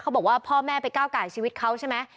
เขาบอกว่าพ่อแม่ไปก้าวกายชีวิตเขาใช่มั้ย